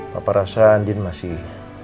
papa rasa andin masih